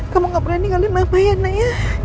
kamu enggak boleh ninggalin mama ya nay